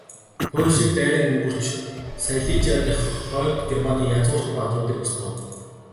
Польшийг дайран өнгөрч, Сайлижиа дахь Хойд Германы язгууртан баатруудыг устгав.